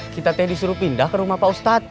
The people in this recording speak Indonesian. kita tadi disuruh pindah ke rumah pak ustadz